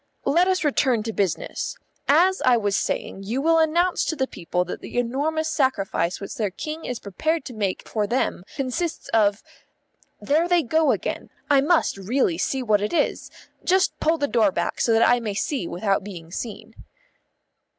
"Let us return to business. As I was saying, you will announce to the people that the enormous sacrifice which their King is prepared to make for them consists of There they go again. I must really see what it is. Just pull the door back so that I may see without being seen."